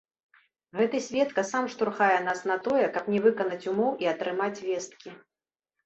Гэты сведка сам штурхае нас на тое, каб не выканаць умоў і атрымаць весткі.